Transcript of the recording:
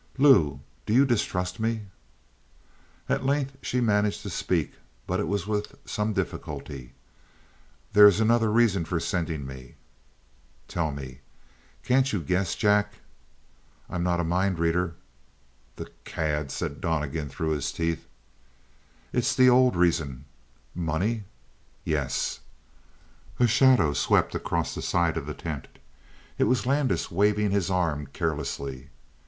"Lou, do you distrust me?" At length she managed to speak, but it was with some difficulty: "There is another reason for sending me." "Tell me." "Can't you guess, Jack?" "I'm not a mind reader." "The cad," said Donnegan through his teeth. "It's the old reason." "Money?" "Yes." A shadow swept across the side of the tent; it was Landis waving his arm carelessly.